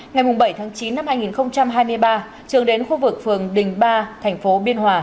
ngày bảy tháng chín năm hai nghìn hai mươi ba trường đến khu vực phường đình ba thành phố biên hòa